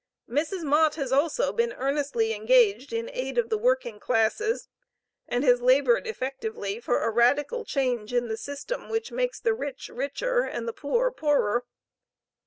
Mrs. Mott has also been earnestly engaged in aid of the working classes, and has labored effectively for "a radical change in the system which makes the rich richer, and the poor poorer."